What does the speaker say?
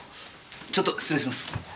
ちょっと失礼します。